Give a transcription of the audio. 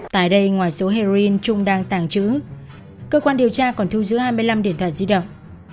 tại đây ngoài số heroin trung đang tàng trữ cơ quan điều tra còn thu giữ hai mươi năm điện thoại di động